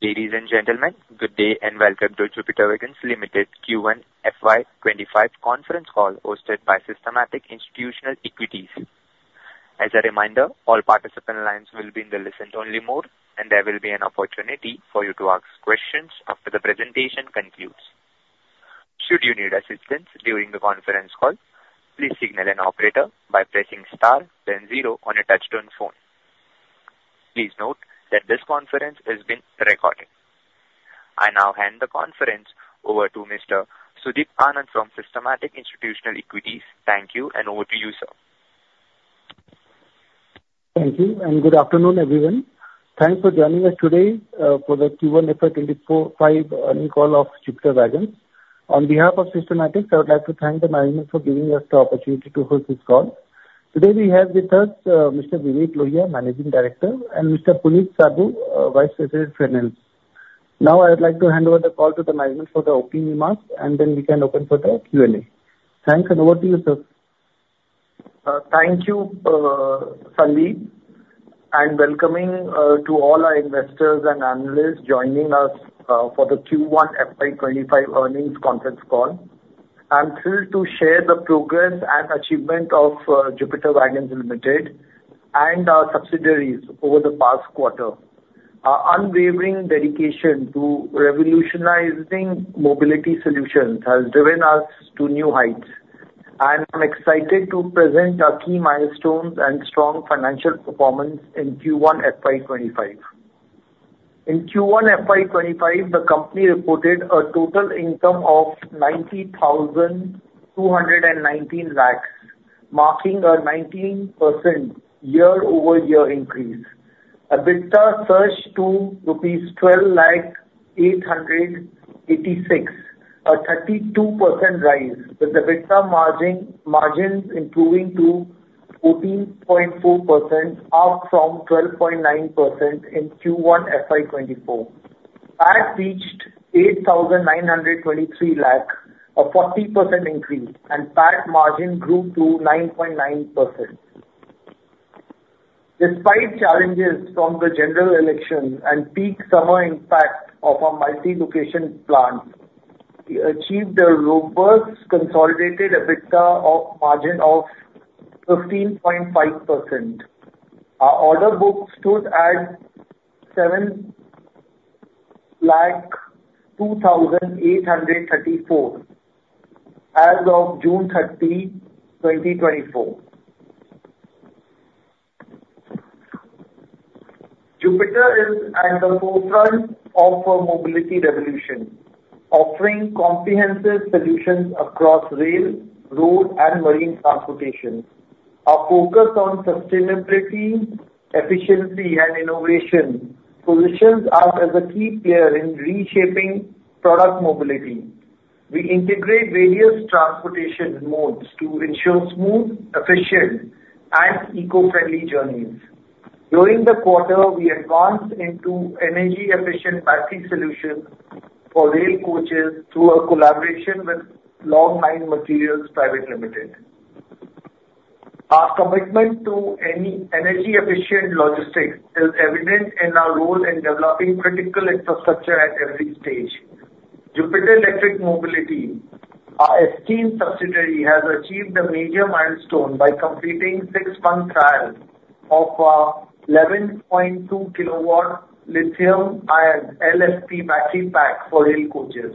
Ladies and gentlemen, good day and welcome to Jupiter Wagons Limited Q1 FY25 conference call hosted by Systematix Institutional Equities. As a reminder, all participant lines will be in the listen-only mode, and there will be an opportunity for you to ask questions after the presentation concludes. Should you need assistance during the conference call, please signal an operator by pressing * then 0 on a touch-tone phone. Please note that this conference is being recorded. I now hand the conference over to Mr. Sudeep Anand from Systematix Institutional Equities. Thank you, and over to you, sir. Thank you, and good afternoon, everyone. Thanks for joining us today for the Q1 FY25 earnings call of Jupiter Wagons. On behalf of Systematix, I would like to thank the management for giving us the opportunity to host this call. Today, we have with us Mr. Vivek Lohia, Managing Director, and Mr. Puneet Saboo, Vice President, Finance. Now, I would like to hand over the call to the management for the opening remarks, and then we can open for the Q&A. Thanks, and over to you, sir. Thank you, Sudeep, and welcome to all our investors and analysts joining us for the Q1 FY25 earnings conference call. I'm thrilled to share the progress and achievement of Jupiter Wagons Limited and our subsidiaries over the past quarter. Our unwavering dedication to revolutionizing mobility solutions has driven us to new heights, and I'm excited to present our key milestones and strong financial performance in Q1 FY25. In Q1 FY25, the company reported a total income of 902.19 crore, marking a 19% year-over-year increase. EBITDA surged to ₹12,886, a 32% rise, with EBITDA margins improving to 14.4%, up from 12.9% in Q1 FY24. PAT reached 89.23 crore, a 40% increase, and PAT margin grew to 9.9%. Despite challenges from the general election and peak summer impact of our multi-location plant, we achieved a robust consolidated EBITDA margin of 15.5%. Our order book stood at 7,283 crore as of June 30, 2024. Jupiter is at the forefront of mobility revolution, offering comprehensive solutions across rail, road, and marine transportation. Our focus on sustainability, efficiency, and innovation positions us as a key player in reshaping product mobility. We integrate various transportation modes to ensure smooth, efficient, and eco-friendly journeys. During the quarter, we advanced into energy-efficient battery solutions for rail coaches through a collaboration with Log9 Materials. Our commitment to energy-efficient logistics is evident in our role in developing critical infrastructure at every stage. Jupiter Electric Mobility, our esteemed subsidiary, has achieved a major milestone by completing a six-month trial of our 11.2 kW Lithium-Ion LFP Battery Pack for rail coaches.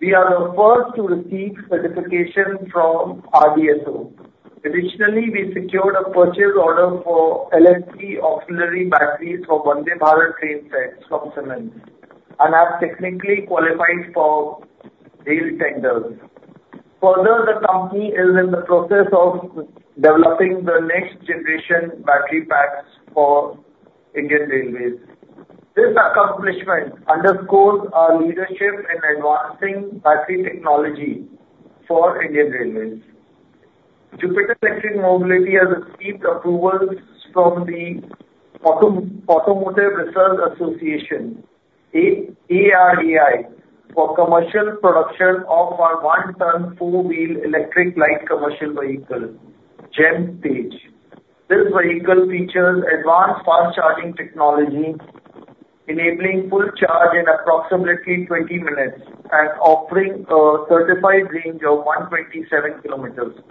We are the first to receive certification from RDSO. Additionally, we secured a purchase order for LFP auxiliary batteries for Vande Bharat Train Sets from Siemens, and have technically qualified for rail tenders. Further, the company is in the process of developing the next-generation battery packs for Indian Railways. This accomplishment underscores our leadership in advancing battery technology for Indian Railways. Jupiter Electric Mobility has received approvals from the Automotive Research Association of India (ARAI) for commercial production of our one-ton four-wheel electric light commercial vehicle, JEM TEZ. This vehicle features advanced fast-charging technology, enabling full charge in approximately 20 minutes and offering a certified range of 127 km.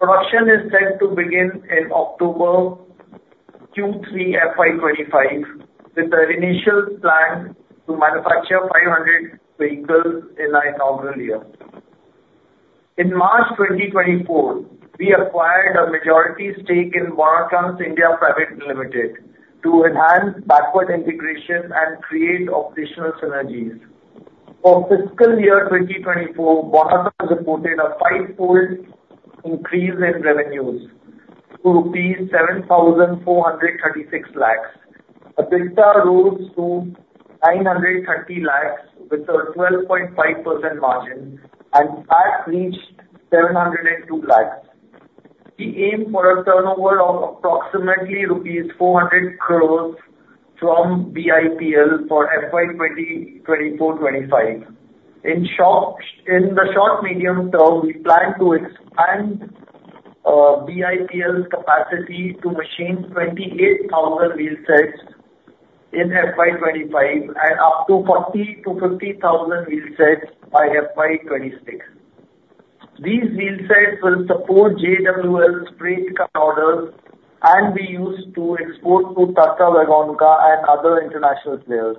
Production is set to begin in October Q3 FY25, with an initial plan to manufacture 500 vehicles in our inaugural year. In March 2024, we acquired a majority stake in Bonatrans India Private Limited to enhance backward integration and create operational synergies. For fiscal year 2024, Bonatrans reported a five-fold increase in revenues to ₹7,436 lakhs. EBITDA rose to ₹930 lakhs with a 12.5% margin, and PAT reached ₹702 lakhs. We aim for a turnover of approximately rupees 400 crores from BIPL for FY2024-25. In the short-medium term, we plan to expand BIPL's capacity to machine 28,000 wheelsets in FY2025 and up to 40,000 to 50,000 wheelsets by FY2026. These wheelsets will support JWL's freight car orders and be used to export to Tatravagonka and other international players.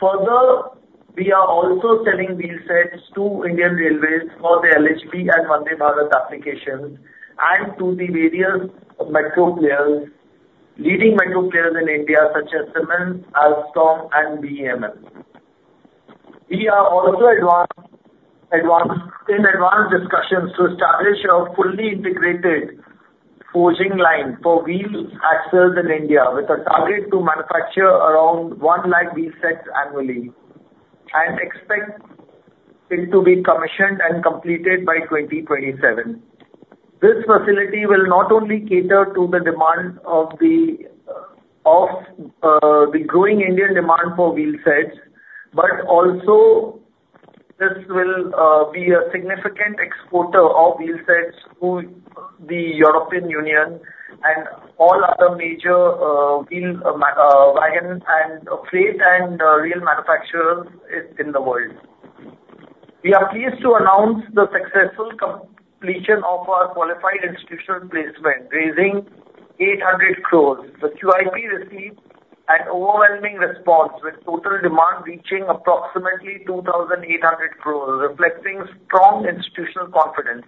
Further, we are also selling wheelsets to Indian Railways for the LHB and Vande Bharat applications and to the various leading metro players in India, such as Siemens, Alstom, and BEML. We are also in advanced discussions to establish a fully integrated forging line for wheel axles in India, with a target to manufacture around 100,000 wheelsets annually and expect it to be commissioned and completed by 2027. This facility will not only cater to the demand of the growing Indian demand for wheelsets, but also this will be a significant exporter of wheelsets to the European Union and all other major freight and rail manufacturers in the world. We are pleased to announce the successful completion of our qualified institutional placement, raising 800 crore. The QIP received an overwhelming response, with total demand reaching approximately 2,800 crore, reflecting strong institutional confidence.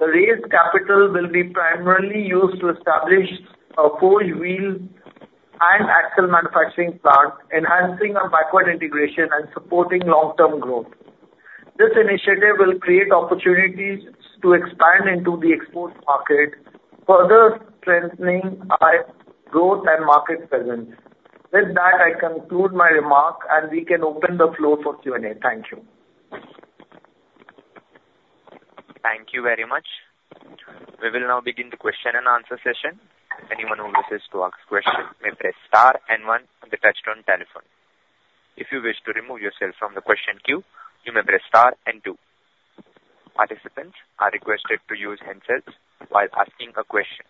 The raised capital will be primarily used to establish a four-wheel and axle manufacturing plant, enhancing our backward integration and supporting long-term growth. This initiative will create opportunities to expand into the export market, further strengthening our growth and market presence. With that, I conclude my remarks, and we can open the floor for Q&A. Thank you. Thank you very much. We will now begin the Q&A session. Anyone who wishes to ask a question may press * and 1 on the touch-tone telephone. If you wish to remove yourself from the question queue, you may press * and 2. Participants are requested to use handsets while asking a question.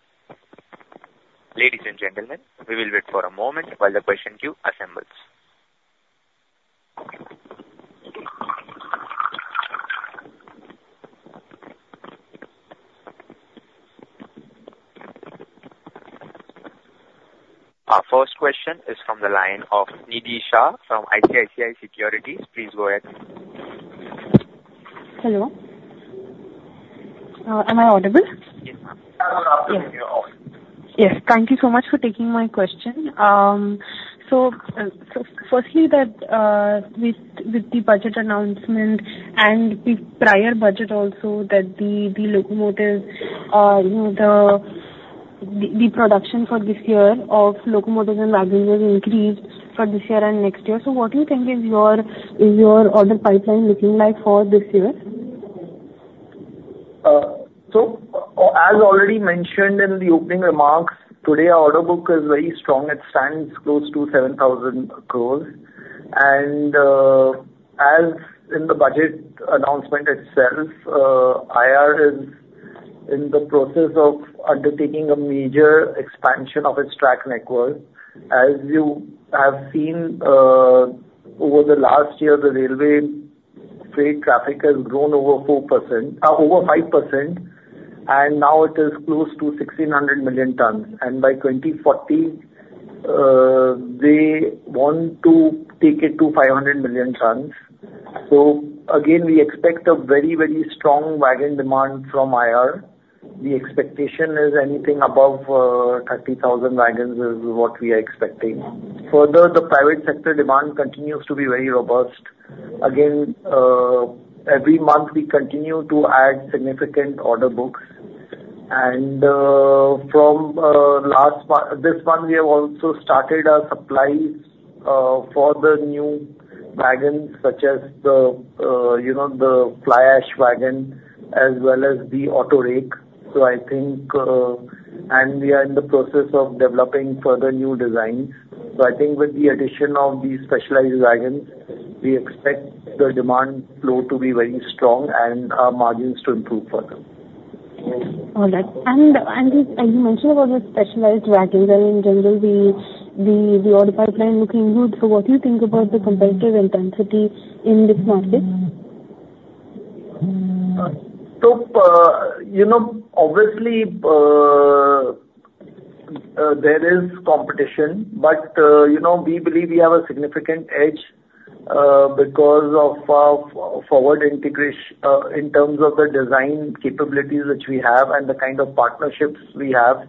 Ladies and gentlemen, we will wait for a moment while the question queue assembles. Our first question is from the line of Nidhi Shah from ICICI Securities. Please go ahead. Hello. Am I audible? Yes, ma'am. Yes. Thank you so much for taking my question. So firstly, with the budget announcement and the prior budget also, that the locomotives, the production for this year of locomotives and wagons has increased for this year and next year. So what do you think is your order pipeline looking like for this year? As already mentioned in the opening remarks, today our order book is very strong. It stands close to 7,000 crores. As in the budget announcement itself, IR is in the process of undertaking a major expansion of its track network. As you have seen, over the last year, the railway freight traffic has grown over 5%, and now it is close to 1,600 million tons. By 2040, they want to take it to 500 million tons. Again, we expect a very, very strong wagon demand from IR. The expectation is anything above 30,000 wagons is what we are expecting. Further, the private sector demand continues to be very robust. Again, every month, we continue to add significant order books. From this month, we have also started our supplies for the new wagons, such as the fly ash wagon as well as the auto rake. So, I think, and we are in the process of developing further new designs. So, I think with the addition of these specialized wagons, we expect the demand flow to be very strong and our margins to improve further. All right. And you mentioned about the specialized wagons and, in general, the order pipeline looking good. So what do you think about the competitive intensity in this market? So obviously, there is competition, but we believe we have a significant edge because of our forward integration in terms of the design capabilities which we have and the kind of partnerships we have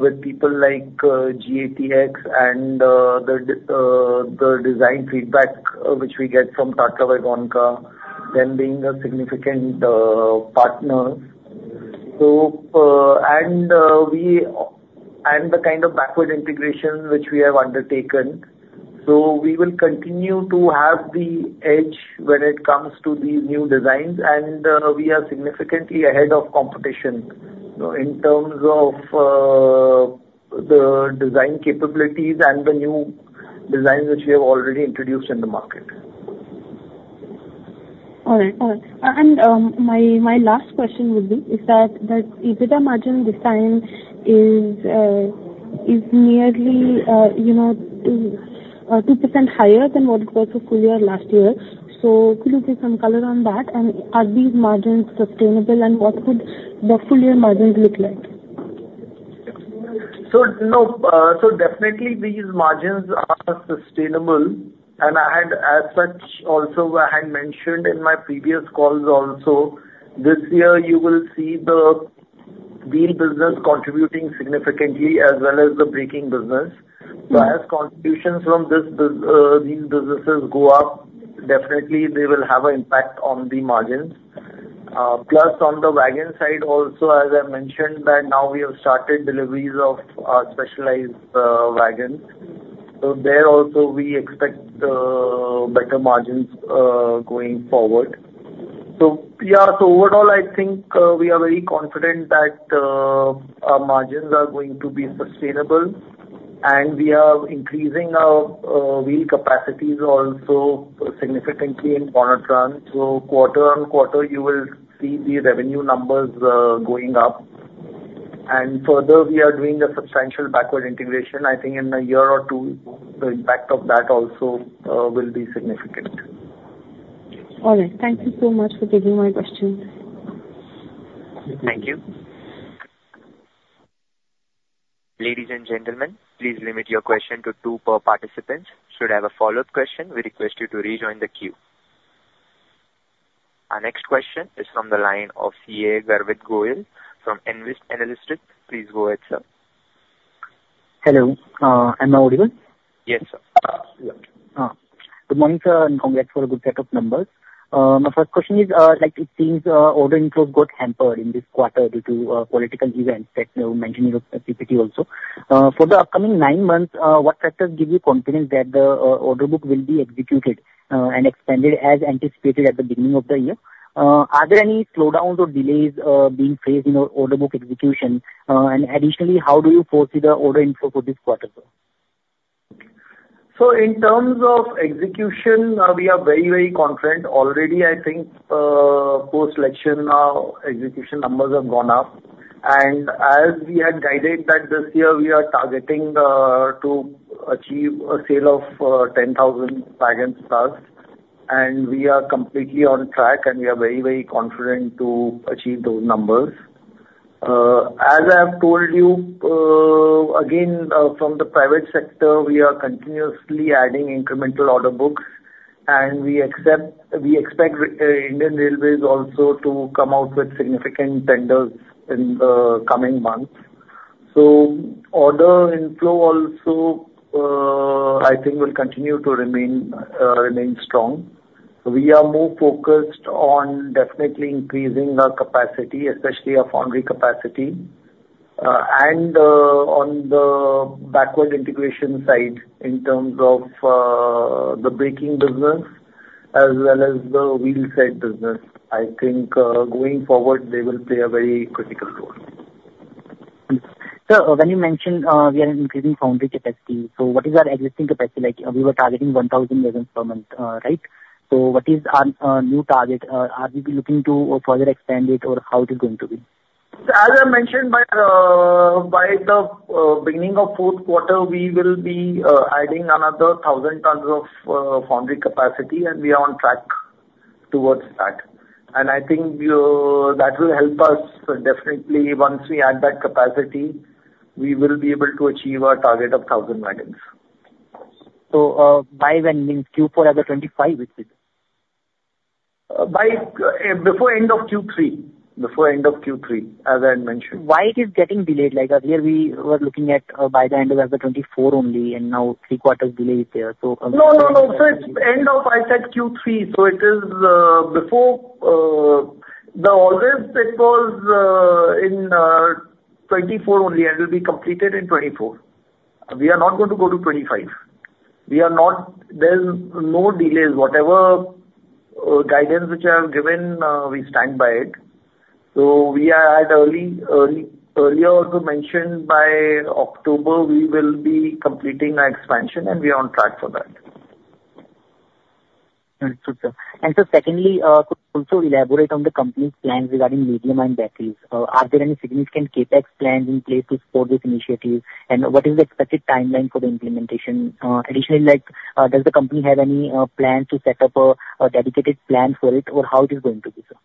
with people like GATX and the design feedback which we get from Tatravagonka, them being a significant partner. The kind of backward integration which we have undertaken. We will continue to have the edge when it comes to these new designs, and we are significantly ahead of competition in terms of the design capabilities and the new designs which we have already introduced in the market. All right. All right. And my last question would be is that EBITDA margin this time is nearly 2% higher than what it was for full year last year. So could you give some color on that? And are these margins sustainable, and what would the full year margins look like? So definitely, these margins are sustainable. And as such, also I had mentioned in my previous calls also, this year, you will see the wheel business contributing significantly as well as the braking business. So as contributions from these businesses go up, definitely, they will have an impact on the margins. Plus, on the wagon side also, as I mentioned, that now we have started deliveries of specialized wagons. So there also, we expect better margins going forward. So yeah, so overall, I think we are very confident that our margins are going to be sustainable, and we are increasing our wheel capacities also significantly in Bonatrans. So quarter-on-quarter, you will see the revenue numbers going up. And further, we are doing a substantial backward integration. I think in a year or two, the impact of that also will be significant. All right. Thank you so much for taking my question. Thank you. Ladies and gentlemen, please limit your question to two per participant. Should I have a follow-up question, we request you to rejoin the queue. Our next question is from the line of CA Garvit Goyal from Nvest Analytics. Please go ahead, sir. Hello. Am I audible? Yes, sir. Good morning, sir, and congrats for a good set of numbers. My first question is, it seems order inflows got hampered in this quarter due to political events that you mentioned in your speech also. For the upcoming nine months, what factors give you confidence that the order book will be executed and expanded as anticipated at the beginning of the year? Are there any slowdowns or delays being faced in your order book execution? And additionally, how do you foresee the order inflow for this quarter, sir? So in terms of execution, we are very, very confident. Already, I think post-election, our execution numbers have gone up. And as we had guided that this year, we are targeting to achieve a sale of 10,000 wagons plus, and we are completely on track, and we are very, very confident to achieve those numbers. As I have told you, again, from the private sector, we are continuously adding incremental order books, and we expect Indian Railways also to come out with significant tenders in the coming months. So order inflow also, I think, will continue to remain strong. We are more focused on definitely increasing our capacity, especially our foundry capacity. And on the backward integration side, in terms of the braking business as well as the wheelset business, I think going forward, they will play a very critical role. Sir, when you mentioned we are increasing foundry capacity, so what is our existing capacity? We were targeting 1,000 wagons per month, right? What is our new target? Are we looking to further expand it, or how is it going to be? As I mentioned, by the beginning of Q4, we will be adding another 1,000 tons of foundry capacity, and we are on track towards that. I think that will help us definitely. Once we add that capacity, we will be able to achieve our target of 1,000 wagons. By when? Q4 as of 2025, which is? Before end of Q3, before end of Q3, as I had mentioned. Why is it getting delayed? Like earlier, we were looking at by the end of 2024 only, and now three quarters delay is there. No, no, no. So it's end of, I said Q3. So it is before the orders, it was in 2024 only, and it will be completed in 2024. We are not going to go to 2025. There's no delays. Whatever guidance which I have given, we stand by it. So we are at earlier, as mentioned by October, we will be completing our expansion, and we are on track for that. Thank you, sir. So secondly, could you also elaborate on the company's plans regarding lithium-ion batteries? Are there any significant CapEx plans in place to support this initiative? And what is the expected timeline for the implementation? Additionally, does the company have any plans to set up a dedicated plan for it, or how is it going to be, sir?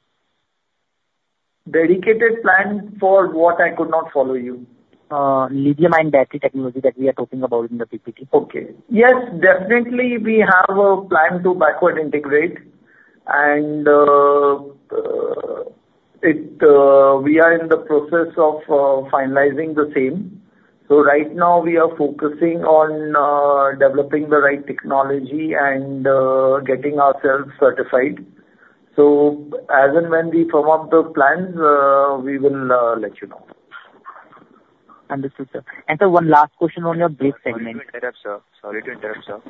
Dedicated plan for what? I could not follow you. Lithium-ion battery technology that we are talking about in the PPT. Okay. Yes, definitely, we have a plan to backward integrate, and we are in the process of finalizing the same. So right now, we are focusing on developing the right technology and getting ourselves certified. So as and when we come up with those plans, we will let you know. Understood, sir. And sir, one last question on your brief segment. Sorry to interrupt, sir.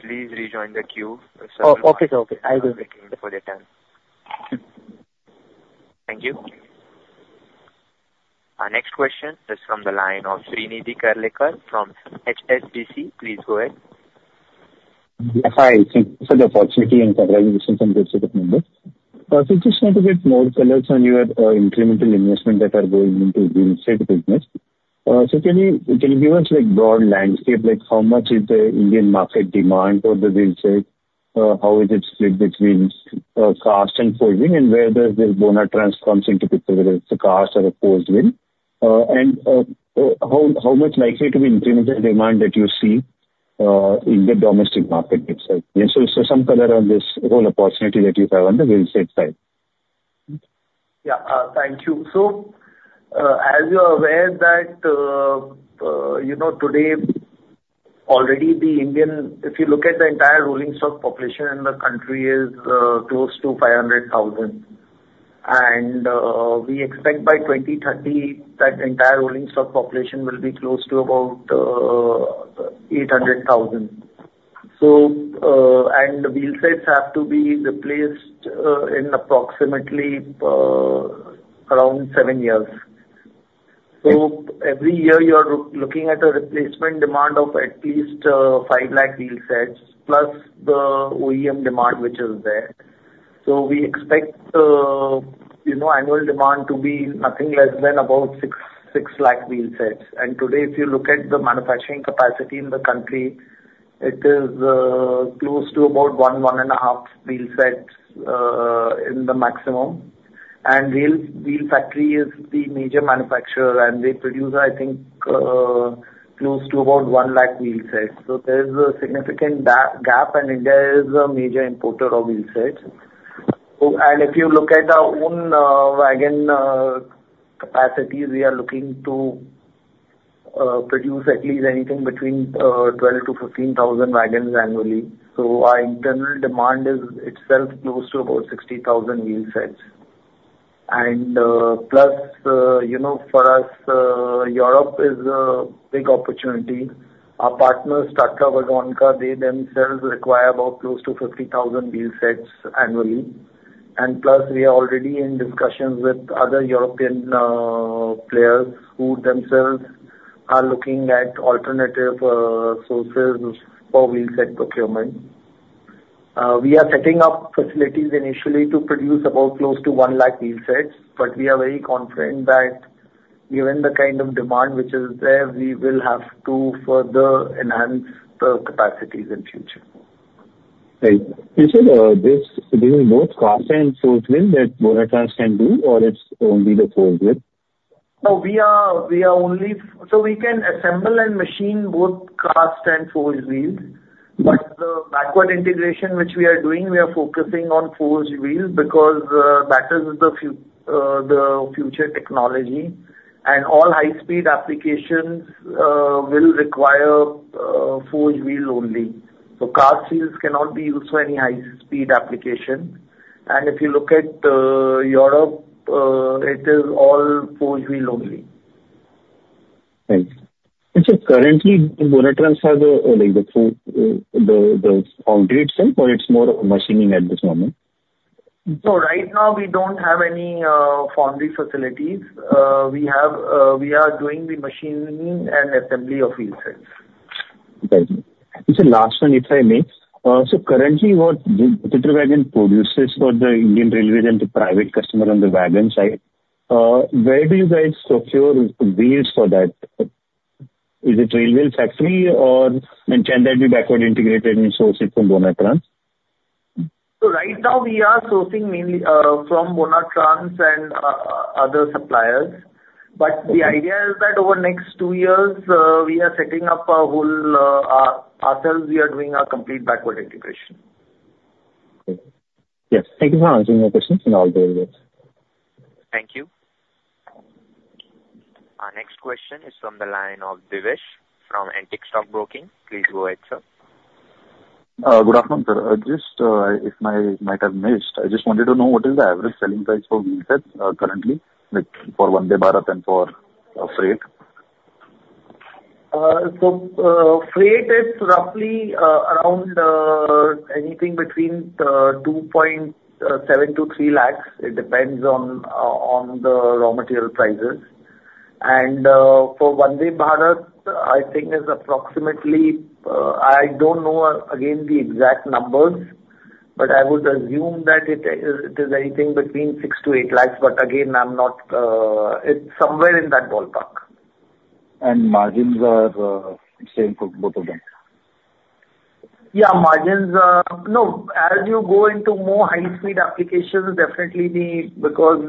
Please rejoin the queue. Okay, okay. I will wait for the time. Thank you. Our next question is from the line of Shrinidhi Karlekar from HSBC. Please go ahead. Hi. Thanks for the opportunity and congratulations on the executive members. I just want to get more colors on your incremental investment that are going into the wheelset business. So can you give us a broad landscape? How much is the Indian market demand for the wheelset? How is it split between cast and forged wheel, and where does this Bonatrans come into picture, whether it's the cast or the forged wheel? And how much likely to be incremental demand that you see in the domestic market itself? So some color on this whole opportunity that you have on the wheelset side. Yeah. Thank you. So as you're aware, that today, already, if you look at the entire rolling stock population in the country, it is close to 500,000. And we expect by 2030, that entire rolling stock population will be close to about 800,000. And the wheelsets have to be replaced in approximately around seven years. So every year, you're looking at a replacement demand of at least 5 lakh wheelsets, plus the OEM demand which is there. So we expect the annual demand to be nothing less than about 6 lakh wheelsets. And today, if you look at the manufacturing capacity in the country, it is close to about 1, 1.5 wheelsets in the maximum. And wheel factory is the major manufacturer, and they produce, I think, close to about 1 lakh wheelsets. So there's a significant gap, and India is a major importer of wheel sets. And if you look at our own wagon capacity, we are looking to produce at least anything between 12,000-15,000 wagons annually. So our internal demand is itself close to about 60,000 wheel sets. And plus for us, Europe is a big opportunity. Our partners, Tatravagonka, they themselves require about close to 50,000 wheel sets annually. And plus we are already in discussions with other European players who themselves are looking at alternative sources for wheel set procurement. We are setting up facilities initially to produce about close to 100,000 wheel sets, but we are very confident that given the kind of demand which is there, we will have to further enhance the capacities in the future. Great. You said this wheel both cast and forged wheel that Bonatrans can do, or it's only the forged wheel? So we can assemble and machine both cast and forged wheel. But the backward integration which we are doing, we are focusing on forged wheel because that is the future technology. And all high-speed applications will require forged wheel only. So cast wheels cannot be used for any high-speed application. And if you look at Europe, it is all forged wheel only. Thanks. And so currently, Bonatrans has the foundry itself, or it's more machining at this moment? Right now, we don't have any foundry facilities. We are doing the machining and assembly of wheelsets. Thank you. So last one, if I may. So currently, what Jupiter Wagon produces for the Indian Railways and the private customer on the wagon side, where do you guys procure wheels for that? Is it railway factory, and can that be backward integrated and sourced from Bonatrans? Right now, we are sourcing mainly from Bonatrans and other suppliers. But the idea is that over the next 2 years, we are setting up our own wheelsets. We are doing our complete backward integration. Yes. Thank you for answering my questions, and I'll be over there. Thank you. Our next question is from the line of Devesh from Antique Stock Broking. Please go ahead, sir. Good afternoon, sir. Just if I might have missed, I just wanted to know what is the average selling price for wheel sets currently for Vande Bharat and for freight? Freight is roughly around anything between 2.7-3 lakhs. It depends on the raw material prices. For Vande Bharat, I think is approximately I don't know, again, the exact numbers, but I would assume that it is anything between 6-8 lakhs. But again, I'm not it's somewhere in that ballpark. Margins are the same for both of them? Yeah, margins are, as you go into more high-speed applications, definitely, because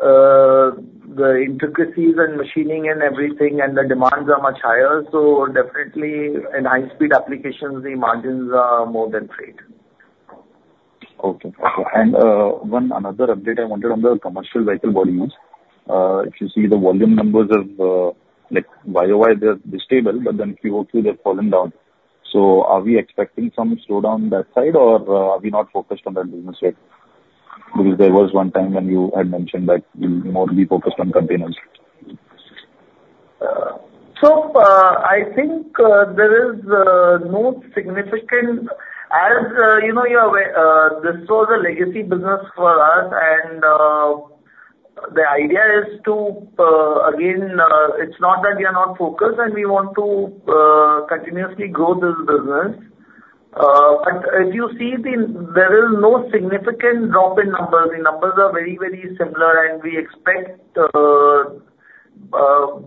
the intricacies and machining and everything and the demands are much higher. So definitely, in high-speed applications, the margins are more than freight. Okay. Another update I wanted on the commercial vehicle volumes. If you see the volume numbers of YOY, they're stable, but then QOQ, they've fallen down. So are we expecting some slowdown on that side, or are we not focused on that business yet? Because there was one time when you had mentioned that you'll more be focused on containers. So, I think there is no significant, as you're aware, this was a legacy business for us, and the idea is to—again, it's not that we are not focused, and we want to continuously grow this business. But if you see, there is no significant drop in numbers. The numbers are very, very similar, and we expect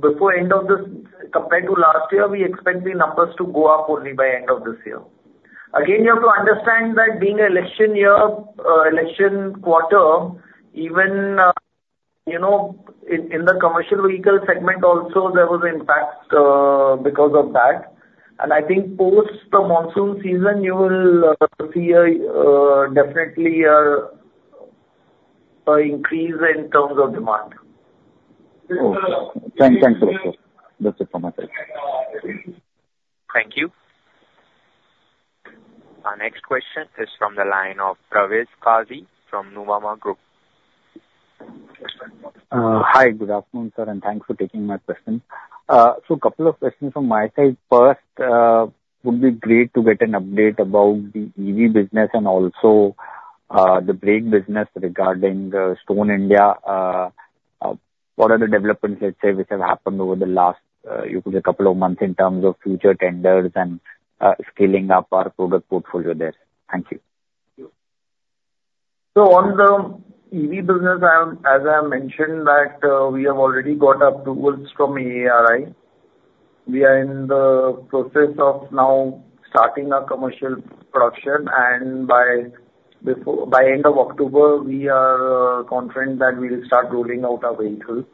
before end of this compared to last year, we expect the numbers to go up only by end of this year. Again, you have to understand that being an election year, election quarter, even in the commercial vehicle segment also, there was an impact because of that. And I think post the monsoon season, you will see definitely an increase in terms of demand. Thank you. That's it from my side. Thank you. Our next question is from the line of Parvez Qazi from Nuvama Group. Hi, good afternoon, sir, and thanks for taking my question. So a couple of questions from my side. First, would be great to get an update about the EV business and also the brake business regarding Stone India. What are the developments, let's say, which have happened over the last, you could say, couple of months in terms of future tenders and scaling up our product portfolio there? Thank you. So on the EV business, as I mentioned, that we have already got approvals from ARAI. We are in the process of now starting our commercial production, and by end of October, we are confident that we will start rolling out our vehicles.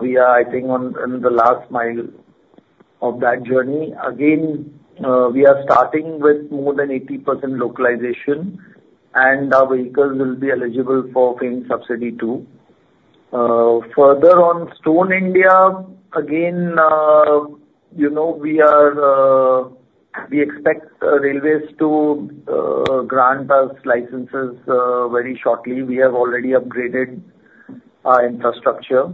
We are, I think, on the last mile of that journey. Again, we are starting with more than 80% localization, and our vehicles will be eligible for FAME subsidy too. Further on Stone India, again, we expect railways to grant us licenses very shortly. We have already upgraded our infrastructure,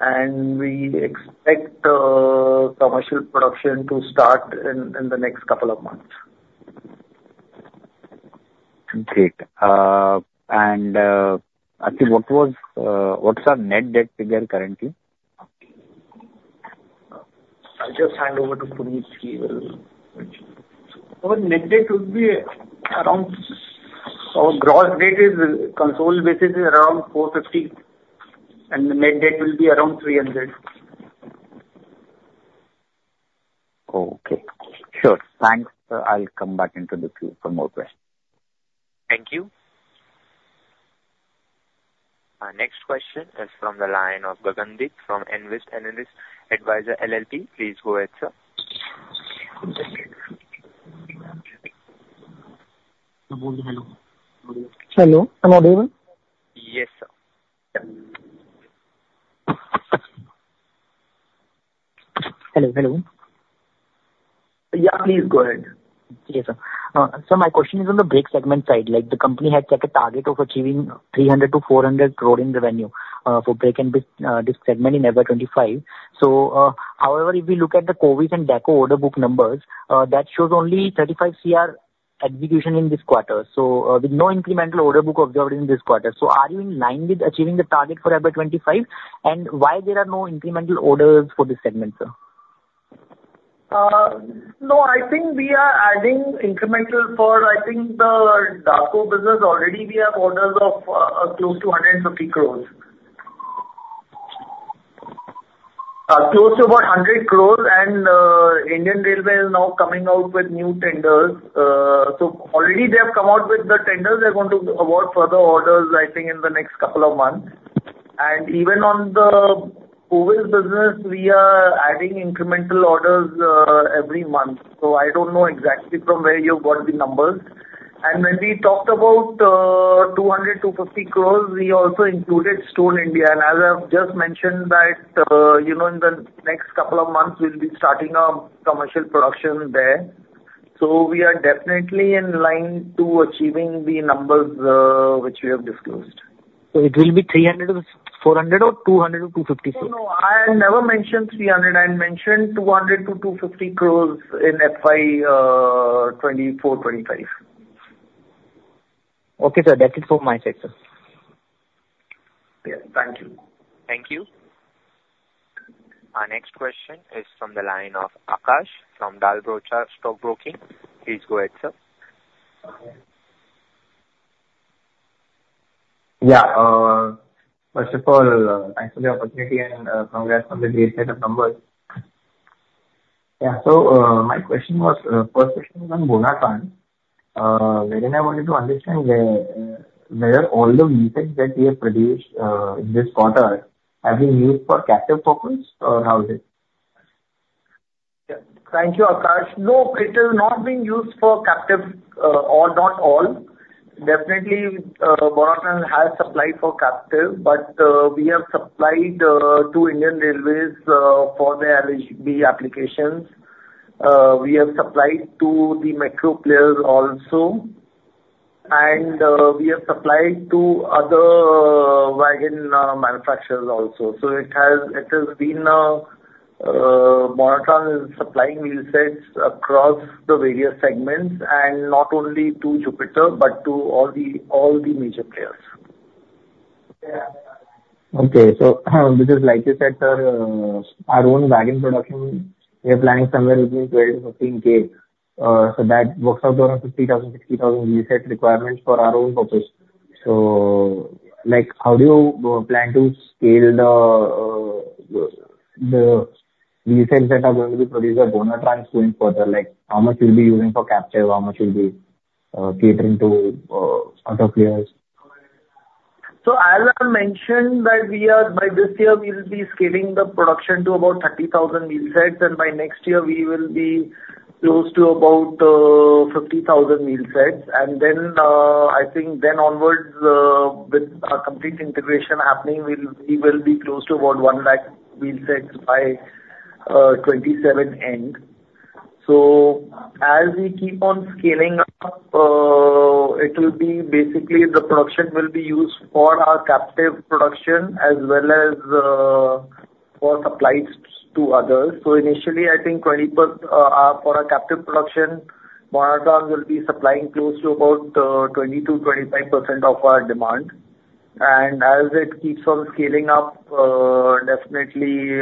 and we expect commercial production to start in the next couple of months. Great. Actually, what's our net debt figure currently? I'll just hand over to Parvez. Our net debt will be around our gross debt is consolidated around 450, and the net debt will be around 300. Okay. Sure. Thanks. I'll come back into the queue for more questions. Thank you. Our next question is from the line of Gagandeep from Nvest Analytics. Please go ahead, sir. Hello. Hello. Can you hear me? Yes, sir. Yeah. Hello. Hello. Yeah, please go ahead. Yes, sir. So my question is on the brake segment side. The company has set a target of achieving 300-400 crore in revenue for brake and disc segment in FY25. So however, if we look at the Kovis and DAKO-CZ order book numbers, that shows only 35 crore execution in this quarter, so with no incremental order book observed in this quarter. So are you in line with achieving the target for FY25, and why there are no incremental orders for this segment, sir? No, I think we are adding incremental for I think the DAKO-CZ business, already we have orders of close to 150 crore. Close to about 100 crore, and Indian Railways is now coming out with new tenders. So already they have come out with the tenders. They're going to award further orders, I think, in the next couple of months. And even on the Kovis business, we are adding incremental orders every month. So I don't know exactly from where you got the numbers. And when we talked about 200-250 crore, we also included Stone India. And as I've just mentioned, that in the next couple of months, we'll be starting our commercial production there. So we are definitely in line to achieving the numbers which we have disclosed. it will be 300 crore, 400 crore, or 200 crore, or 250 crore? No, no. I never mentioned 300. I mentioned 200 crore-250 crore in FY 2024-25. Okay, sir. That's it from my side, sir. Yes. Thank you. Thank you. Our next question is from the line of Aakash from Dalal & Broacha Stock Broking. Please go ahead, sir. Yeah. First of all, thanks for the opportunity, and congrats on the great set of numbers. Yeah. So my question was, first question is on Bonatrans. Very nice. I wanted to understand whether all the wheelsets that we have produced in this quarter have been used for captive purpose, or how is it? Thank you, Aakash. No, it is not being used for captive or not all. Definitely, Bonatrans has supplied for captive, but we have supplied to Indian Railways for the LHB applications. We have supplied to the Metro players also, and we have supplied to other wagon manufacturers also. So it has been Bonatrans is supplying wheelsets across the various segments, and not only to Jupiter, but to all the major players. Okay. So this is, like you said, sir, our own wagon production, we are planning somewhere between 12-15K. So that works out around 50,000-60,000 wheelset requirements for our own purpose. So how do you plan to scale the wheelsets that are going to be produced at Bonatrans going further? How much will be used for captive? How much will be catering to other players? So as I mentioned, that by this year, we will be scaling the production to about 30,000 wheelsets, and by next year, we will be close to about 50,000 wheelsets. And then I think then onwards, with our complete integration happening, we will be close to about 100,000 wheelsets by 2027 end. So as we keep on scaling up, it will be basically the production will be used for our captive production as well as for supplies to others. So initially, I think for our captive production, Bonatrans will be supplying close to about 20%-25% of our demand. And as it keeps on scaling up, definitely,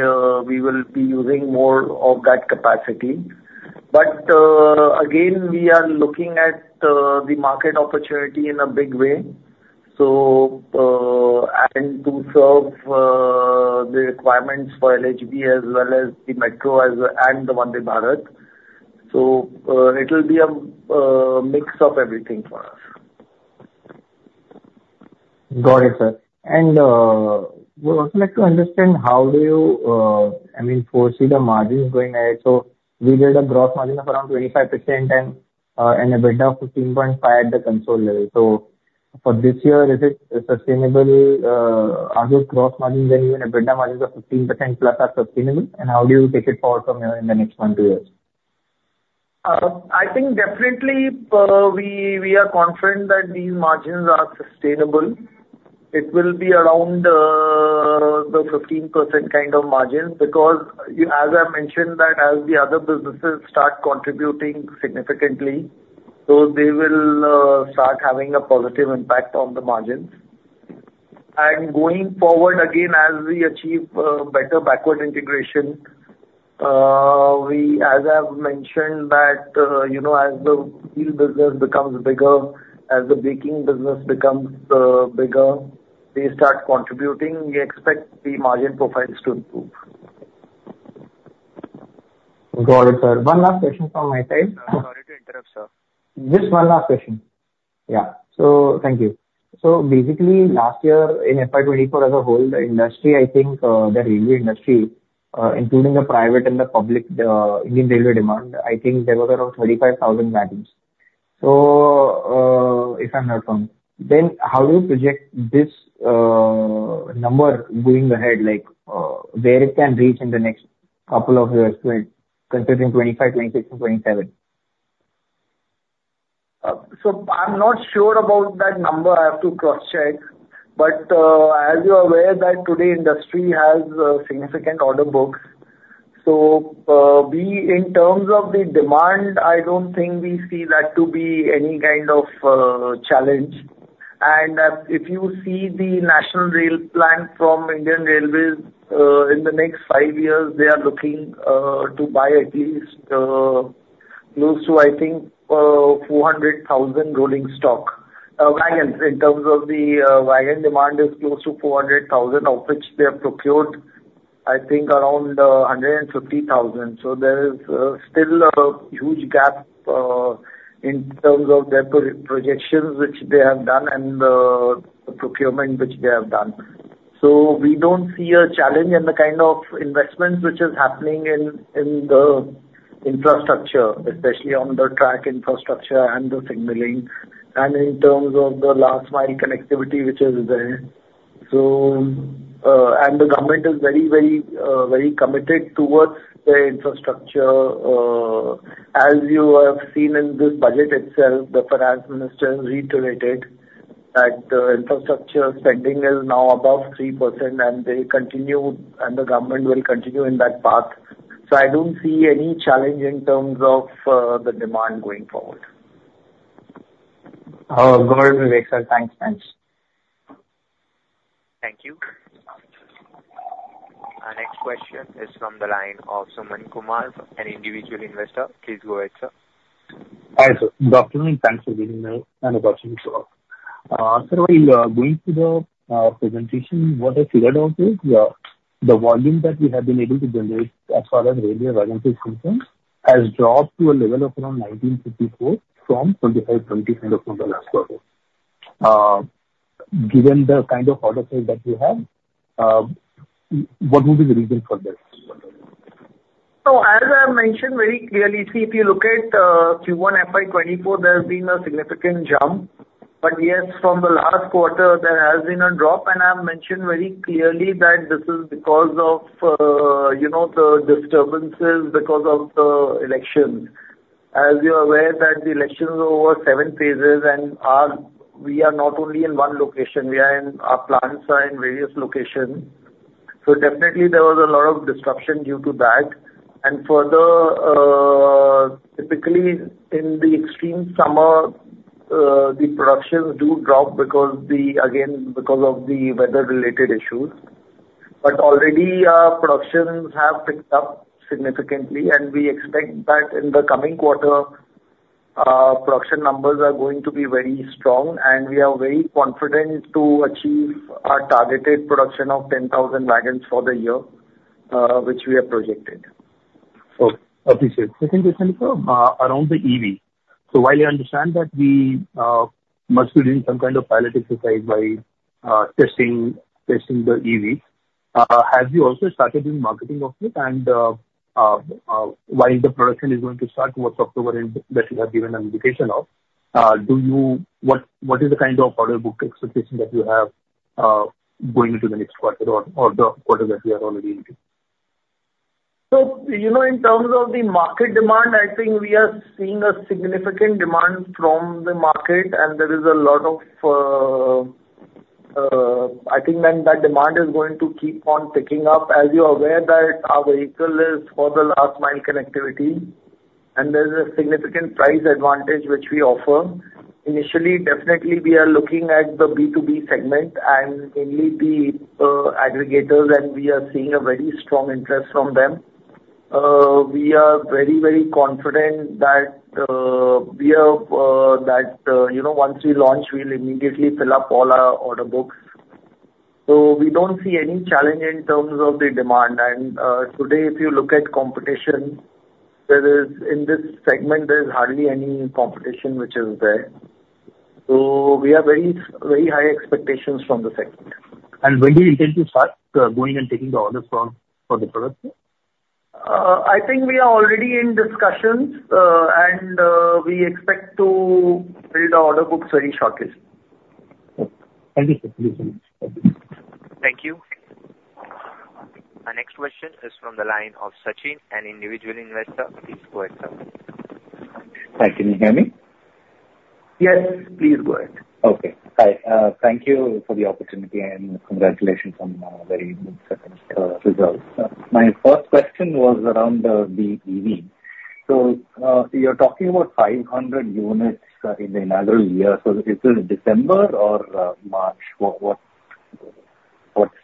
we will be using more of that capacity. But again, we are looking at the market opportunity in a big way, and to serve the requirements for LHB as well as the Metro and the Vande Bharat. It will be a mix of everything for us. Got it, sir. And we'd also like to understand how do you, I mean, foresee the margins going ahead. So we did a gross margin of around 25% and EBITDA of 15.5% at the consolidated level. So for this year, is it sustainable? Are those gross margins and even EBITDA margins of 15%+ sustainable? And how do you take it forward from here in the next one to two years? I think definitely we are confident that these margins are sustainable. It will be around the 15% kind of margins because, as I mentioned, that as the other businesses start contributing significantly, so they will start having a positive impact on the margins. And going forward, again, as we achieve better backward integration, as I've mentioned, that as the wheel business becomes bigger, as the braking business becomes bigger, they start contributing, we expect the margin profiles to improve. Got it, sir. One last question from my side. Sorry to interrupt, sir. Just one last question. Yeah. So thank you. So basically, last year in FY 2024 as a whole, the industry, I think the railway industry, including the private and the public Indian Railways demand, I think there was around 25,000 wagons. So if I'm not wrong, then how do you project this number going ahead, where it can reach in the next couple of years considering 2025, 2026, and 2027? I'm not sure about that number. I have to cross-check. As you're aware, the industry today has significant order books. In terms of the demand, I don't think we see that to be any kind of challenge. If you see the National Rail Plan from Indian Railways, in the next five years, they are looking to buy at least close to, I think, 400,000 rolling stock wagons. In terms of the wagon demand, it's close to 400,000, of which they have procured, I think, around 150,000. There is still a huge gap in terms of their projections, which they have done, and the procurement which they have done. We don't see a challenge in the kind of investments which is happening in the infrastructure, especially on the track infrastructure and the signaling, and in terms of the last mile connectivity, which is there. The government is very, very committed toward the infrastructure. As you have seen in this budget itself, the finance minister reiterated that the infrastructure spending is now above 3%, and they continue, and the government will continue in that path. I don't see any challenge in terms of the demand going forward. Got it, Parvez sir. Thanks, thanks. Thank you. Our next question is from the line of Soman Kumar, an individual investor. Please go ahead, sir. Hi, sir. Thanks for being here and watching this work. Sir, while going through the presentation, what I figured out is the volume that we have been able to generate as far as railway wagons is concerned has dropped to a level of around 19.4 from 25-20 kind of from the last quarter. Given the kind of order size that we have, what would be the reason for this? As I mentioned very clearly, see, if you look at Q1 FY2024, there has been a significant jump. But yes, from the last quarter, there has been a drop. I've mentioned very clearly that this is because of the disturbances because of the elections. As you're aware, that the elections are over seven phases, and we are not only in one location. Our plants are in various locations. So definitely, there was a lot of disruption due to that. Further, typically in the extreme summer, the productions do drop because of the weather-related issues. But already, productions have picked up significantly, and we expect that in the coming quarter, production numbers are going to be very strong. We are very confident to achieve our targeted production of 10,000 wagons for the year, which we have projected. Okay. Appreciate it. Second question is around the EV. So while I understand that we must be doing some kind of pilot exercise by testing the EVs, have you also started doing marketing of it? And while the production is going to start towards October that you have given an indication of, what is the kind of order book expectation that you have going into the next quarter or the quarter that we are already into? So, in terms of the market demand, I think we are seeing a significant demand from the market, and there is a lot of, I think, that demand is going to keep on picking up. As you're aware, that our vehicle is for the last mile connectivity, and there is a significant price advantage which we offer. Initially, definitely, we are looking at the B2B segment and mainly the aggregators, and we are seeing a very strong interest from them. We are very, very confident that once we launch, we'll immediately fill up all our order books. So we don't see any challenge in terms of the demand. And today, if you look at competition, in this segment, there is hardly any competition which is there. So we have very high expectations from the segment. When do you intend to start going and taking the orders for the products? I think we are already in discussions, and we expect to build our order books very shortly. Thank you. Thank you. Our next question is from the line of Sachin, an individual investor. Please go ahead, sir. Hi. Can you hear me? Yes. Please go ahead. Okay. Hi. Thank you for the opportunity, and congratulations on very good results. My first question was around the EV. So you're talking about 500 units in the inaugural year. So is this December or March? What's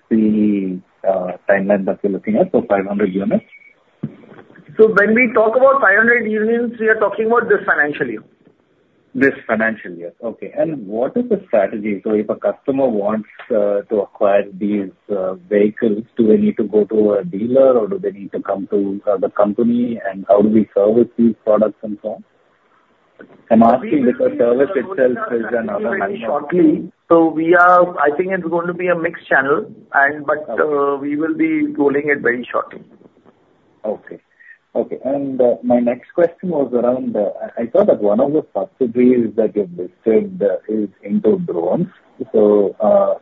the timeline that you're looking at for 500 units? When we talk about 500 units, we are talking about this financial year. This financial year. Okay. And what is the strategy? So if a customer wants to acquire these vehicles, do they need to go to a dealer, or do they need to come to the company, and how do we service these products and so on? I'm asking because service itself is another manufacturer. I think it's going to be a mixed channel, but we will be rolling it very shortly. Okay. Okay. My next question was around. I saw that one of the subsidies that you've listed is into drones. So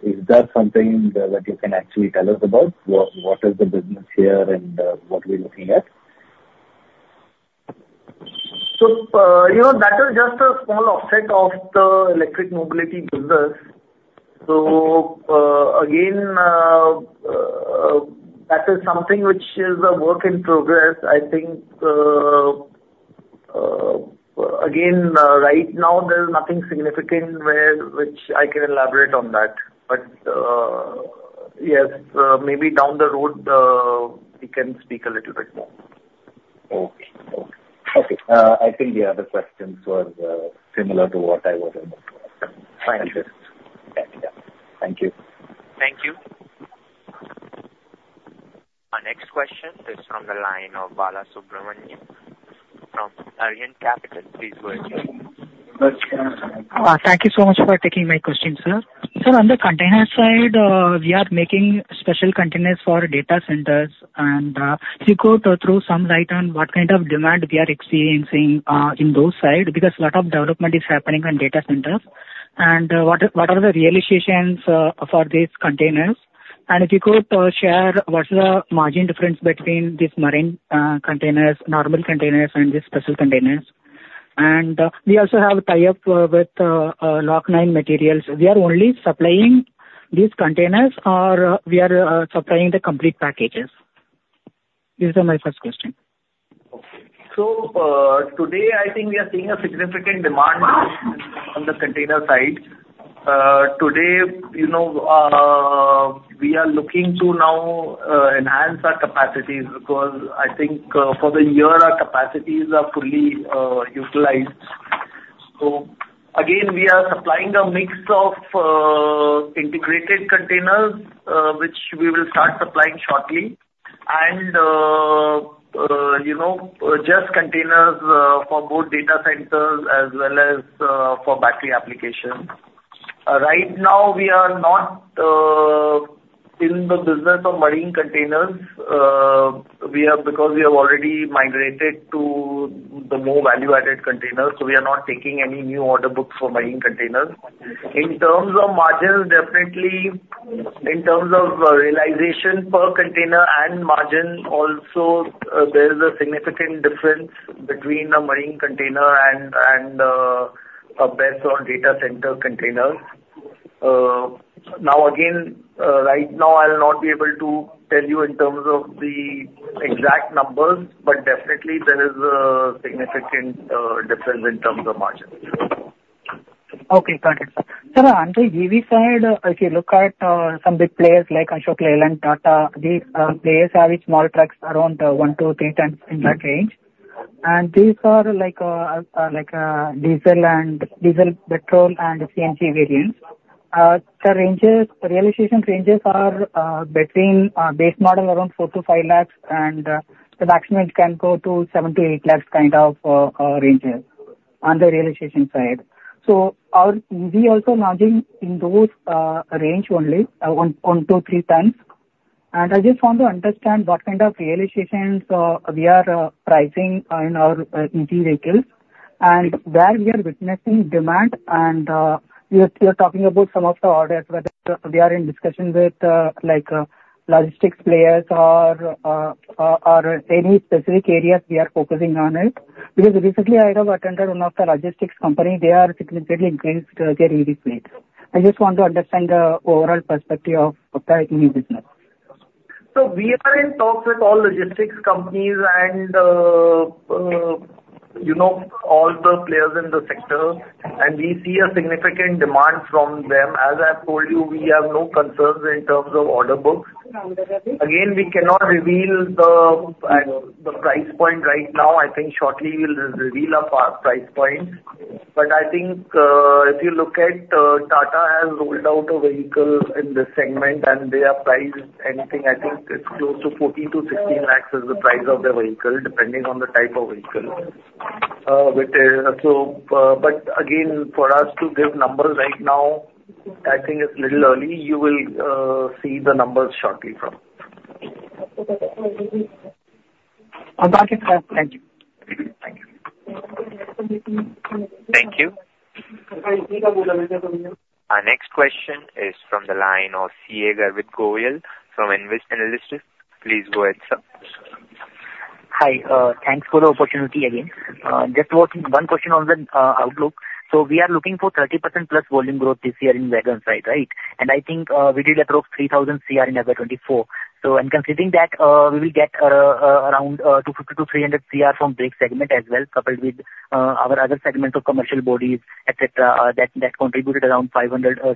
is that something that you can actually tell us about? What is the business here and what are we looking at? So that is just a small offset of the electric mobility business. So again, that is something which is a work in progress. I think, again, right now, there is nothing significant which I can elaborate on that. But yes, maybe down the road, we can speak a little bit more. Okay. Okay. Okay. I think the other questions were similar to what I was able to ask. Thank you. Thank you. Thank you. Our next question is from the line of Balasubramanian from Arihant Capital. Please go ahead, sir. Thank you so much for taking my question, sir. Sir, on the container side, we are making special containers for data centers. And if you could throw some light on what kind of demand we are experiencing in those sides because a lot of development is happening on data centers. And what are the realizations for these containers? And if you could share what's the margin difference between these marine containers, normal containers, and these special containers? And we also have a tie-up with Log9 Materials. We are only supplying these containers, or we are supplying the complete packages? These are my first questions. So today, I think we are seeing a significant demand on the container side. Today, we are looking to now enhance our capacities because I think for the year, our capacities are fully utilized. So again, we are supplying a mix of integrated containers, which we will start supplying shortly, and just containers for both data centers as well as for battery applications. Right now, we are not in the business of marine containers because we have already migrated to the more value-added containers. So we are not taking any new order books for marine containers. In terms of margins, definitely, in terms of realization per container and margin, also there is a significant difference between a marine container and a better data center container. Now, again, right now, I'll not be able to tell you in terms of the exact numbers, but definitely, there is a significant difference in terms of margins. Okay. Perfect. Sir, on the EV side, if you look at some big players like Ashok Leyland, Tata, these players have small trucks around 1, 2, 3 tons in that range. And these are like diesel and diesel petrol and CNG variants. The realization ranges are between base model around 4-5 lakhs, and the maximum can go to 7-8 lakhs kind of ranges on the realization side. So we are also launching in those range only, 1, 2, 3 tons. And I just want to understand what kind of realizations we are pricing in our EV vehicles and where we are witnessing demand. And you're talking about some of the orders whether we are in discussion with logistics players or any specific areas we are focusing on it because recently, I have attended one of the logistics companies. They are significantly increased their EV fleet. I just want to understand the overall perspective of that new business. So we are in talks with all logistics companies and all the players in the sector, and we see a significant demand from them. As I've told you, we have no concerns in terms of order books. Again, we cannot reveal the price point right now. I think shortly, we'll reveal our price point. But I think if you look at Tata has rolled out a vehicle in this segment, and they are priced anything, I think it's close to 14-16 lakhs is the price of the vehicle depending on the type of vehicle. But again, for us to give numbers right now, I think it's a little early. You will see the numbers shortly from. Okay. Thank you. Thank you. Thank you. Our next question is from the line of CA Garvit Goyal from Nvest Analytics. Please go ahead, sir. Hi. Thanks for the opportunity again. Just one question on the outlook. So we are looking for 30% plus volume growth this year in wagon side, right? And I think we did approach 3,000 crore in FY 24. So in considering that, we will get around 250-300 crore from brake segment as well, coupled with our other segments of commercial bodies, etc., that contributed around 500 crore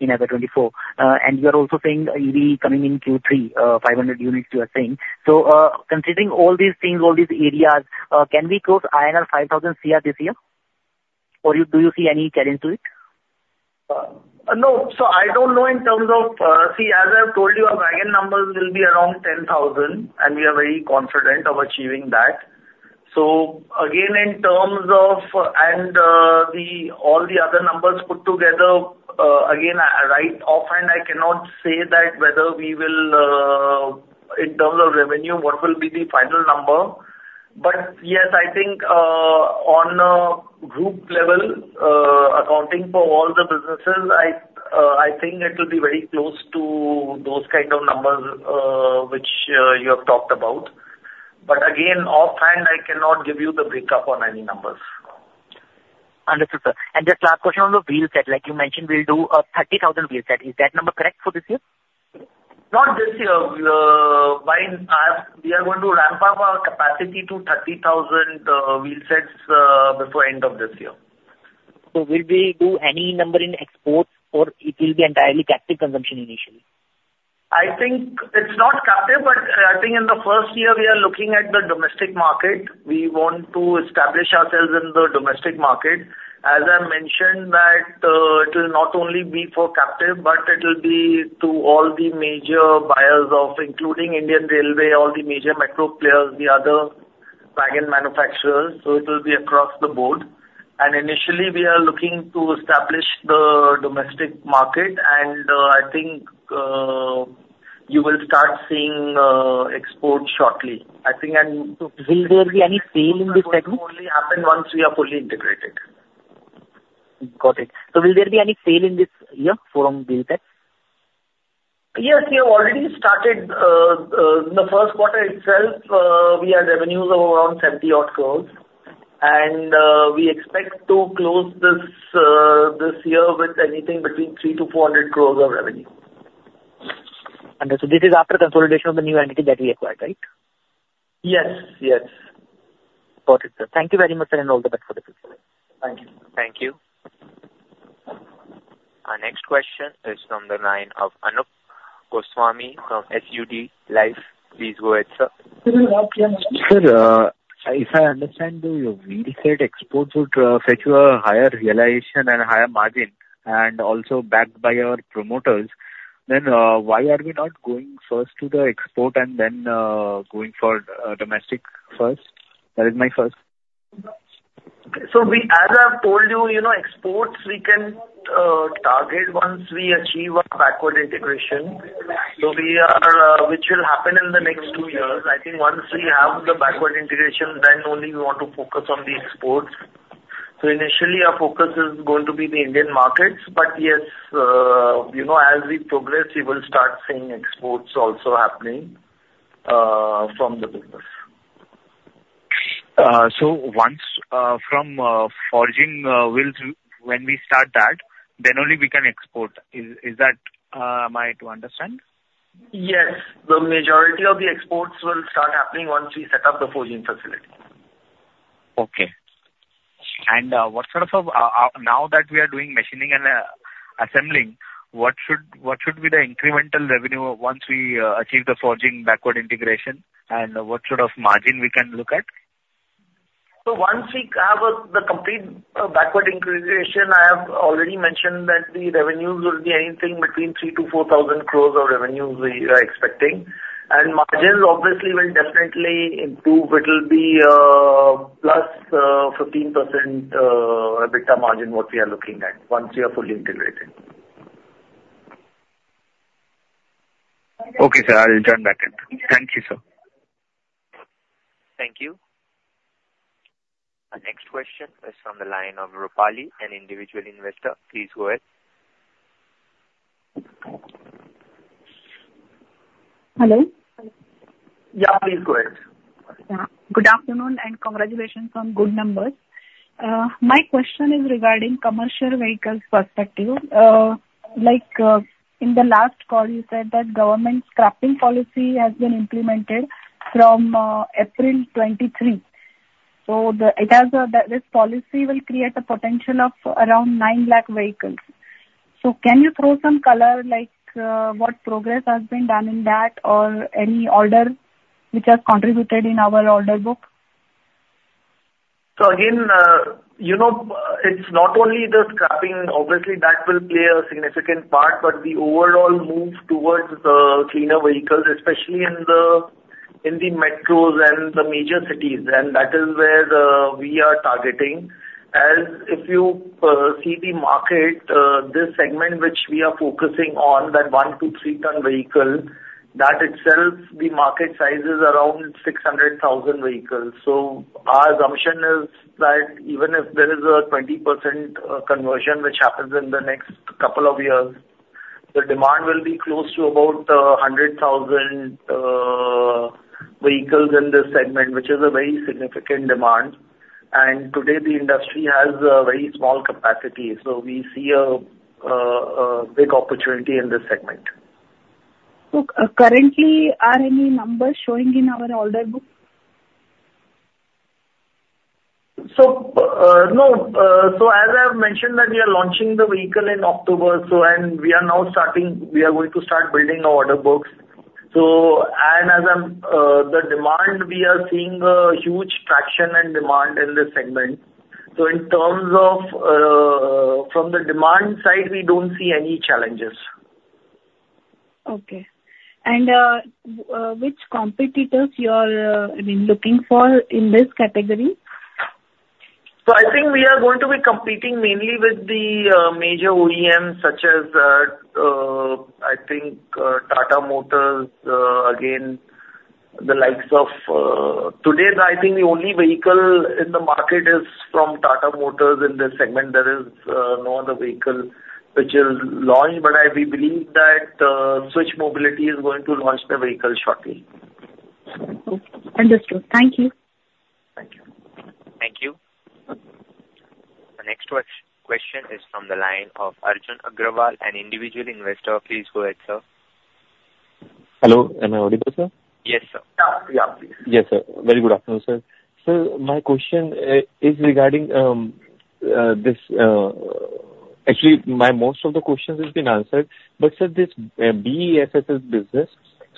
in FY 24. And we are also seeing EV coming in Q3, 500 units, you are saying. So considering all these things, all these areas, can we close INR 5,000 crore this year, or do you see any challenge to it? No. So I don't know in terms of see, as I've told you, our wagon numbers will be around 10,000, and we are very confident of achieving that. So again, in terms of all the other numbers put together, again, right offhand, I cannot say that whether we will, in terms of revenue, what will be the final number. But yes, I think on a group level, accounting for all the businesses, I think it will be very close to those kind of numbers which you have talked about. But again, offhand, I cannot give you the breakup on any numbers. Understood, sir. Just last question on the wheelset. Like you mentioned, we'll do a 30,000 wheelset. Is that number correct for this year? Not this year. We are going to ramp up our capacity to 30,000 wheelsets before end of this year. Will we do any number in exports, or it will be entirely captive consumption initially? I think it's not captive, but I think in the first year, we are looking at the domestic market. We want to establish ourselves in the domestic market. As I mentioned, that it will not only be for captive, but it will be to all the major buyers, including Indian Railways, all the major metro players, the other wagon manufacturers. So it will be across the board. And initially, we are looking to establish the domestic market, and I think you will start seeing exports shortly, I think. So will there be any sale in this segment? It will only happen once we are fully integrated. Got it. So will there be any sale in this year from wheel sets? Yes. We have already started in the Q1 itself. We had revenues of around 70-odd crores, and we expect to close this year with anything between 300-400 crores of revenue. Understood. This is after consolidation of the new entity that we acquired, right? Yes. Yes. Got it, sir. Thank you very much, sir, and all the best for the future. Thank you. Thank you. Our next question is from the line of Anupam Goswami from SUD Life. Please go ahead, sir. Sir, if I understand your wheelset exports would set you a higher realization and a higher margin, and also backed by our promoters, then why are we not going first to the export and then going for domestic first? That is my first. As I've told you, exports we can target once we achieve our backward integration. Which will happen in the next two years. I think once we have the backward integration, then only we want to focus on the exports. So initially, our focus is going to be the Indian markets. But yes, as we progress, we will start seeing exports also happening from the business. So from forging, when we start that, then only we can export. Is that right to understand? Yes. The majority of the exports will start happening once we set up the forging facility. Okay. Now that we are doing machining and assembling, what should be the incremental revenue once we achieve the forging backward integration, and what sort of margin we can look at? So once we have the complete backward integration, I have already mentioned that the revenues will be anything between 3,000-4,000 crore we are expecting. Margins, obviously, will definitely improve. It will be 15%+ EBITDA margin what we are looking at once we are fully integrated. Okay, sir. I'll turn it back. Thank you, sir. Thank you. Our next question is from the line of Rupali, an individual investor. Please go ahead. Hello. Yeah, please go ahead. Yeah. Good afternoon, and congratulations on good numbers. My question is regarding commercial vehicles' perspective. In the last call, you said that government scrapping policy has been implemented from April 2023. So this policy will create a potential of around 900,000 vehicles. So can you throw some color like what progress has been done in that or any order which has contributed in our order book? So again, it's not only the scrapping, obviously, that will play a significant part, but the overall move towards the cleaner vehicles, especially in the metros and the major cities. And that is where we are targeting. As if you see the market, this segment which we are focusing on, that 1-2-3-ton vehicle, that itself, the market size is around 600,000 vehicles. So our assumption is that even if there is a 20% conversion which happens in the next couple of years, the demand will be close to about 100,000 vehicles in this segment, which is a very significant demand. And today, the industry has a very small capacity. So we see a big opportunity in this segment. So currently, are any numbers showing in our order book? So, no. As I've mentioned, we are launching the vehicle in October, and we are now starting; we are going to start building our order books. And as for the demand, we are seeing a huge traction and demand in this segment. So, in terms of from the demand side, we don't see any challenges. Okay. Which competitors you are looking for in this category? So I think we are going to be competing mainly with the major OEMs such as, I think, Tata Motors, again, the likes of today, I think the only vehicle in the market is from Tata Motors in this segment. There is no other vehicle which is launched. But we believe that Switch Mobility is going to launch the vehicle shortly. Okay. Understood. Thank you. Thank you. Thank you. The next question is from the line of Arjun Agrawal, an individual investor. Please go ahead, sir. Hello. Am I audible, sir? Yes, sir. Yeah. Yes, sir. Very good afternoon, sir. Sir, my question is regarding this. Actually, most of the questions have been answered. But, sir, this BESS business,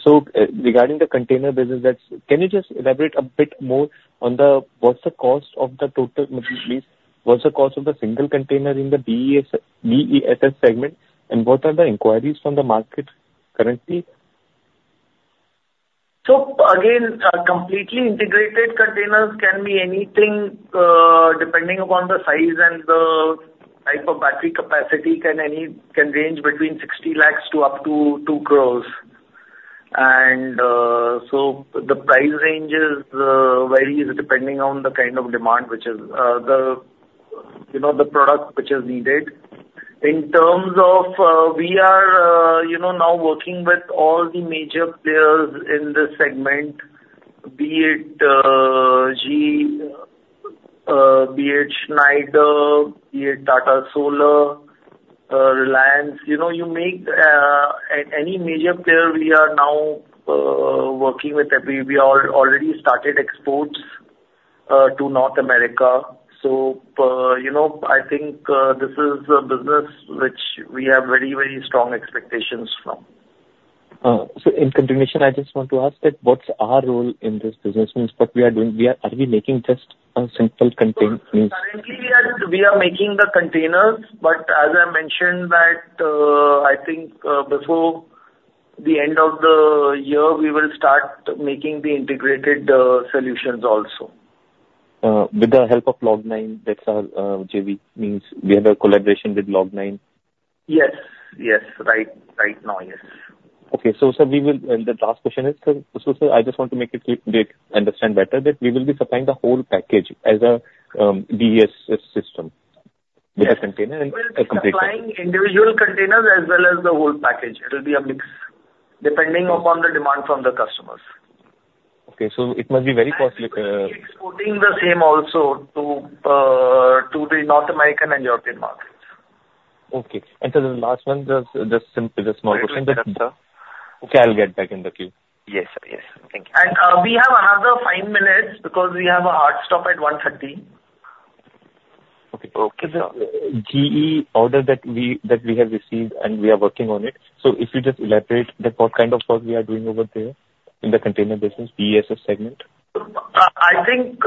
so regarding the container business, can you just elaborate a bit more on what's the cost of the total? What's the cost of the single container in the BESS segment, and what are the inquiries from the market currently? So again, completely integrated containers can be anything depending upon the size and the type of battery capacity can range between 60 lakhs to up to 2 crores. And so the price range varies depending on the kind of demand which is the product which is needed. In terms of we are now working with all the major players in this segment, be it GE, be it Schneider, be it Tata Solar, Reliance. You name any major player, we are now working with. We already started exports to North America. So I think this is a business which we have very, very strong expectations from. In continuation, I just want to ask that what's our role in this business? What we are doing, are we making just a simple container? Currently, we are making the containers. But as I mentioned, I think before the end of the year, we will start making the integrated solutions also. With the help of Log9, that's how JV means we have a collaboration with Log9? Yes. Yes. Right now, yes. Okay. So, sir, the last question is, sir, I just want to make it clear to understand better that we will be supplying the whole package as a BESS system with a container and completely. We'll be supplying individual containers as well as the whole package. It will be a mix depending upon the demand from the customers. Okay. So it must be very costly. We'll be exporting the same also to the North American and European markets. Okay. For the last one, just a small question. Yes, sir. Okay. I'll get back in the queue. Yes, sir. Yes, sir. Thank you. We have another five minutes because we have a hard stop at 1:30 P.M. Okay. So the GE order that we have received, and we are working on it. So if you just elaborate that what kind of work we are doing over there in the container business, BESS segment? I think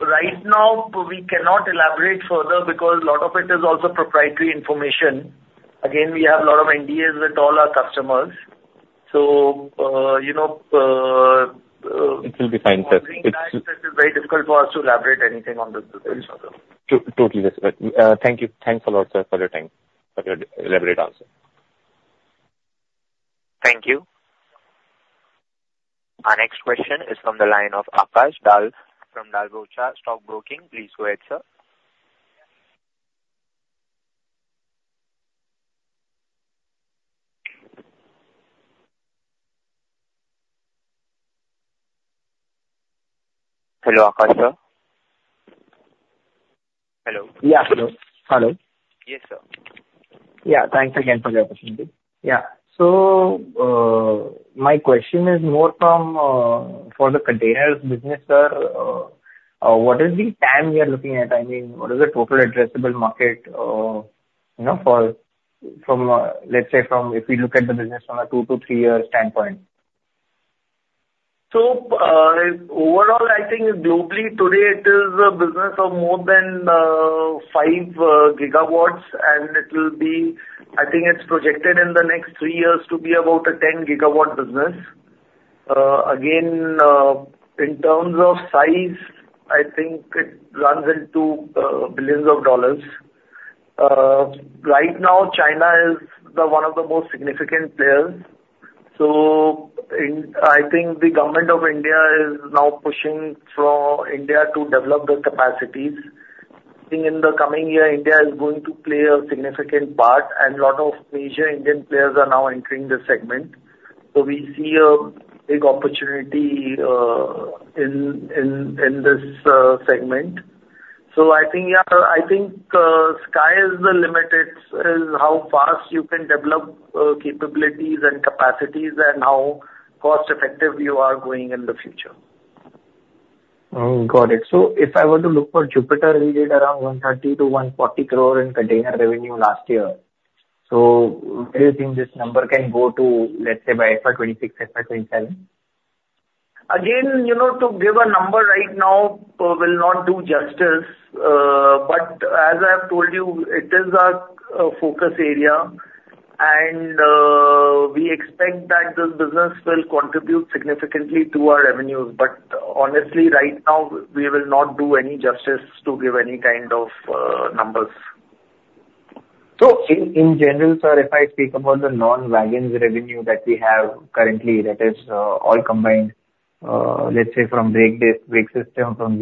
right now, we cannot elaborate further because a lot of it is also proprietary information. Again, we have a lot of NDAs with all our customers. So it will be fine, sir. It's very difficult for us to elaborate anything on this business, sir. Totally. Thank you. Thanks a lot, sir, for your elaborate answer. Thank you. Our next question is from the line of Aakash Datta from Dalal & Broacha Stock Broking. Please go ahead, sir. Hello, Aakash, sir. Hello? Yeah. Hello. Hello. Yes, sir. Yeah. Thanks again for the opportunity. Yeah. So my question is more for the containers business, sir. What is the time we are looking at? I mean, what is the total addressable market from, let's say, if we look at the business from a 2-3-year standpoint? So overall, I think globally, today, it is a business of more than 5 gigawatts. And it will be, I think it's projected in the next three years to be about a 10-gigawatt business. Again, in terms of size, I think it runs into billions of dollars. Right now, China is one of the most significant players. So I think the Government of India is now pushing for India to develop the capacities. I think in the coming year, India is going to play a significant part, and a lot of major Indian players are now entering the segment. So we see a big opportunity in this segment. I think, yeah, I think sky is the limit is how fast you can develop capabilities and capacities and how cost-effective you are going in the future. Got it. So if I were to look for Jupiter, we did around 130 crore-140 crore in container revenue last year. So do you think this number can go to, let's say, by FY26, FY27? Again, to give a number right now, will not do justice. But as I have told you, it is a focus area, and we expect that this business will contribute significantly to our revenues. But honestly, right now, we will not do any justice to give any kind of numbers. So in general, sir, if I speak about the non-wagons revenue that we have currently, that is all combined, let's say, from brake system, from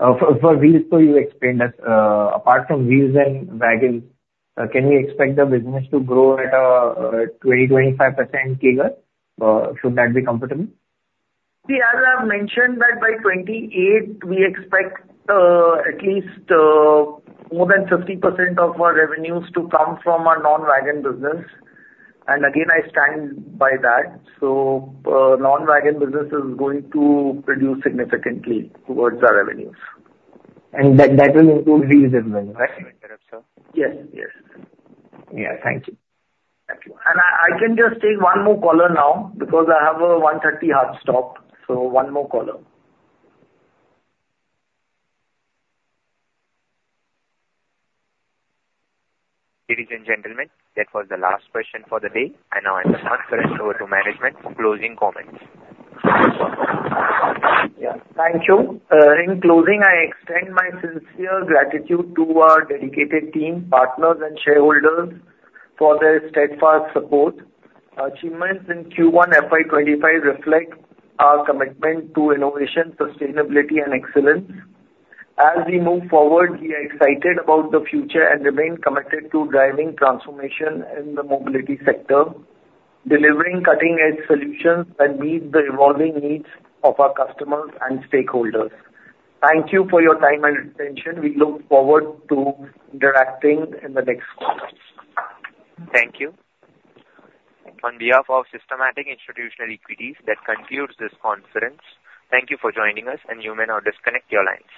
wheelsets, so you explained us, apart from wheels and wagons, can we expect the business to grow at a 20%-25% figure? Should that be comfortable? See, as I've mentioned, that by 2028, we expect at least more than 50% of our revenues to come from our non-wagon business. Again, I stand by that. Non-wagon business is going to produce significantly towards our revenues. And that will include wheels as well, right? Interrupt, sir. Yes. Yes. Yeah. Thank you. I can just take one more caller now because I have a 1:30 P.M. hard stop. One more caller. Ladies and gentlemen, that was the last question for the day. I now hand the conference over to management for closing comments. Yeah. Thank you. In closing, I extend my sincere gratitude to our dedicated team, partners, and shareholders for their steadfast support. Achievements in Q1 FY25 reflect our commitment to innovation, sustainability, and excellence. As we move forward, we are excited about the future and remain committed to driving transformation in the mobility sector, delivering cutting-edge solutions that meet the evolving needs of our customers and stakeholders. Thank you for your time and attention. We look forward to interacting in the next call. Thank you. On behalf of Systematix Institutional Equities, that concludes this conference. Thank you for joining us, and you may now disconnect your lines.